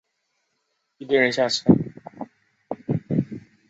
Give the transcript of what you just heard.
一堆人下车